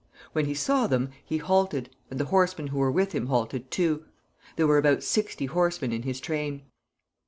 When he saw them, he halted, and the horsemen who were with him halted too. There were about sixty horsemen in his train.